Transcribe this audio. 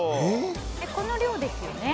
この両ですよね。